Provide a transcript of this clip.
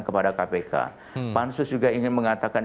kepada kpk pansus juga ingin mengatakan